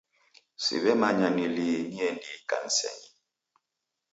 Siw'emanya ni lii niendie ikanisenyi.